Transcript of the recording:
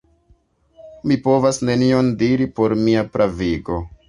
Mi povas nenion diri por mia pravigo.